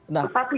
nggak hafal dulu